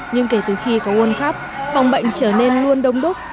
nhưng kể từ khi có world cup phòng bệnh trở nên luôn đông đúc